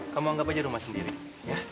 kamu anggap aja rumah sendiri ya